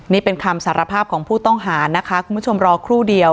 นี่เป็นคำสารภาพของผู้ต้องหานะคะคุณผู้ชมรอครู่เดียว